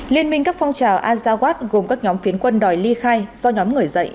liên minh các phong trào azawatt gồm các nhóm phiến quân đòi ly khai do nhóm người dạy